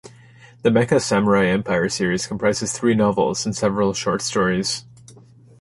The Mecha Samurai Empire series comprises three novels and several short stories.